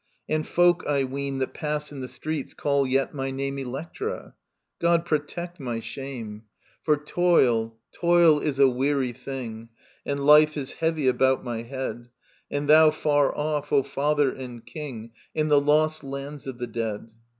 An4 folk, I ween. That pass in the streets call yet my name Electra. ... God protect my shame I Digitized by VjOOQIC ELECTRA 9 For toil, toil is a weary thing, And life is heavy about my head ; And thou far off, O Father and King, In the lost lands of the dead.